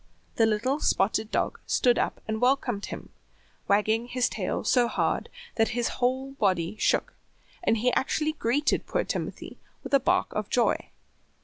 The little spotted dog stood up and welcomed him, wagging his tail so hard that his whole body shook, and he actually greeted poor Timothy with a bark of joy.